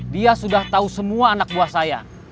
dia sudah tahu semua anak buah saya